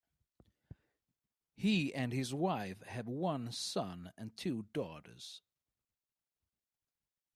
He and his wife have one son and two daughters.